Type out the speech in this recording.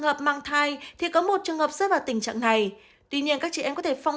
ngoài mang thai thì có một trường hợp rớt vào tình trạng này tuy nhiên các trẻ em có thể phong